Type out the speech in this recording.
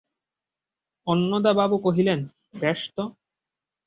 অন্নদাবাবু কহিলেন, বেশ তো।